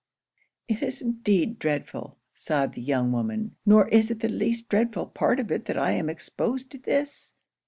'It is indeed dreadful!' sighed the young woman 'nor is it the least dreadful part of it that I am exposed to this.'